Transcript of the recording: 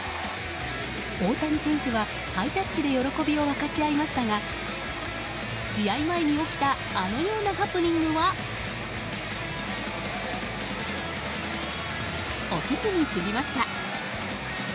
大谷選手はハイタッチで喜びを分かち合いましたが試合前に起きたあのようなハプニングは起きずに済みました。